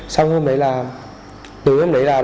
xong hôm đấy là